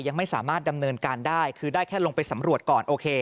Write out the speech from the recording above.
ยังไม่สามารถดำเนินการได้คือได้แค่ลงไปสำรวจก่อนโอเค